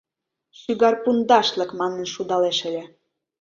Шӱгар пундашлык!» манын шудалеш ыле.